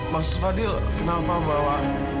maksud fadil kenapa bawa